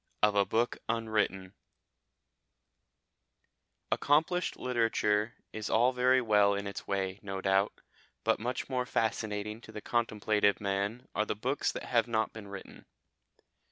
OF A BOOK UNWRITTEN Accomplished literature is all very well in its way, no doubt, but much more fascinating to the contemplative man are the books that have not been written.